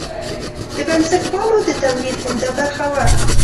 د بنسټپالو د تمویل عمده برخه وه.